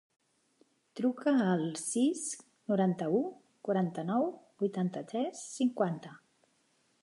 Truca al sis, noranta-u, quaranta-nou, vuitanta-tres, cinquanta.